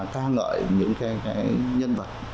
ca ngợi những cái nhân vật